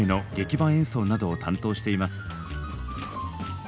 伴演奏などを担当しています。